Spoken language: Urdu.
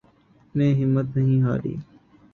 نے ہمت نہیں ہاری